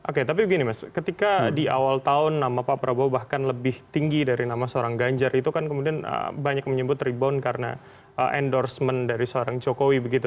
oke tapi begini mas ketika di awal tahun nama pak prabowo bahkan lebih tinggi dari nama seorang ganjar itu kan kemudian banyak menyebut rebound karena endorsement dari seorang jokowi begitu